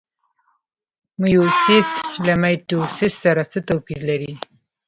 میوسیس له مایټوسیس سره څه توپیر لري؟